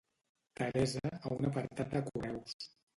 Teresa, a un apartat de correus.